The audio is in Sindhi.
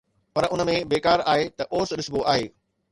پر اُن ۾ بيڪار آهي ته اوس ڏسبو آهي